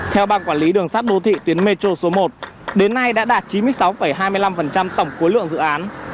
theo bang quản lý đường sắt đô thị tuyến metro số một đến nay đã đạt chín mươi sáu hai mươi năm tổng cuối lượng dự án